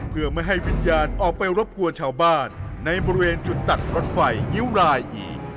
เพื่อไม่ให้วิญญาณออกไปรบกวนชาวบ้านในบริเวณจุดตัดรถไฟงิ้วรายอีก